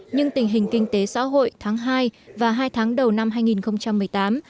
nhưng tình hình kinh tế xã hội tháng hai và hai tháng đầu năm hai nghìn một mươi tám